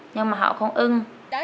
nhưng mà họ không ưng